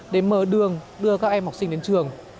để mở đường đưa các em học sinh đến trường